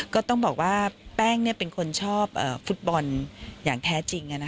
ก็ต้องบอกว่าแป้งเป็นคนชอบฟุตบอลอย่างแท้จริง